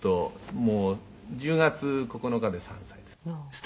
もう１０月９日で３歳です」